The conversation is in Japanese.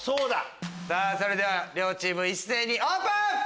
それでは両チーム一斉にオープン！